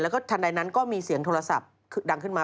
แล้วก็ทันใดนั้นก็มีเสียงโทรศัพท์ดังขึ้นมา